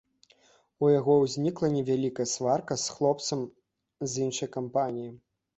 У яго ўзнікла невялікая сварка з хлопцам з іншай кампаніі.